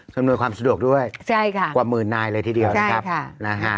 สำนวยความสะดวกด้วยกว่าหมื่นนายเลยทีเดียวใช่ค่ะ